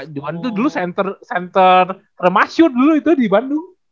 juan tuh dulu center remashoot dulu itu di bandung